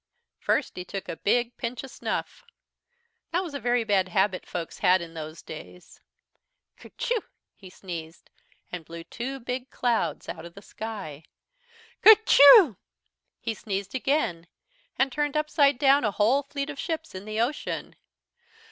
"First he took a big pinch o' snuff. That was a very bad habit folks had in those days. "Kerchoo! he sneezed, and blew two big clouds out of the sky. "Kerchoo!!! he sneezed again, and turned upside down a whole fleet of ships in the ocean.